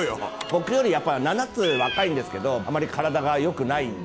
僕より７つ若いんですけどあまり体が良くないんで。